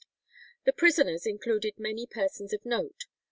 The prisoners included many persons of note.